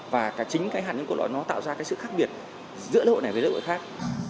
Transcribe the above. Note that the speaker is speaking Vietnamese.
và chính hạt nhân cốt lõi nó tạo ra sự khác biệt giữa lễ hội này với lễ hội khác